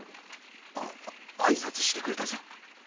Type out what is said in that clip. あっあいさつしてくれたぞ。